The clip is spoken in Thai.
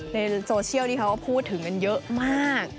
ในโซเชียลที่เขาก็พูดถึงกันเยอะมาก